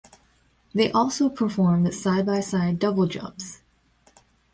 They also performed side-by-side double jumps.